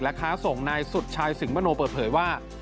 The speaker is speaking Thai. ค้าส่งนายสุดชายสิงหมโนเปิดเผยว่า